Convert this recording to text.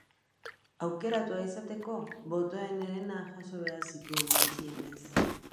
Aukeratua izateko, botoen herena jaso behar zituen gutxienez.